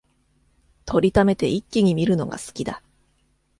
録りためて一気に観るのが好きだ